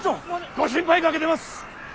ご心配かけてます。